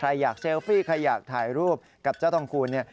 ใครอยากเชลฟี่ใครอยากถ่ายรูปกับเจ้าทองคูณ